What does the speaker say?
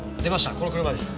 この車です。